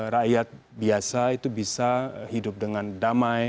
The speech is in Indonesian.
rakyat biasa itu bisa hidup dengan damai